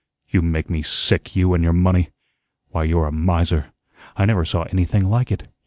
"You make me sick, you and your money. Why, you're a miser. I never saw anything like it.